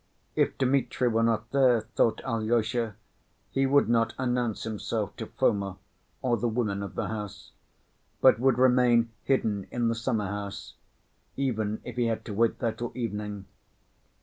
If Dmitri were not there, thought Alyosha, he would not announce himself to Foma or the women of the house, but would remain hidden in the summer‐house, even if he had to wait there till evening.